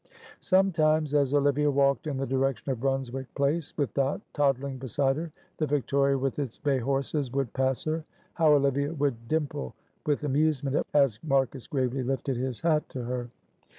Sometimes, as Olivia walked in the direction of Brunswick Place with Dot toddling beside her, the victoria with its bay horses would pass her. How Olivia would dimple with amusement as Marcus gravely lifted his hat to her.